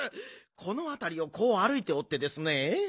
このあたりをこうあるいておってですね。